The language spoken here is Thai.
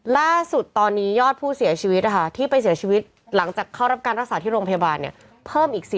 ล่าสุดตอนนี้ยอดผู้เสียชีวิตที่ไปเสียชีวิตหลังจากเข้ารับการรักษาที่โรงพยาบาลเพิ่มอีก๔๐